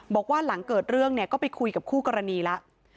บอกว่าหลังเกิดเรื่องเนี่ยก็ไปคุยกับคู่กรณีแล้ว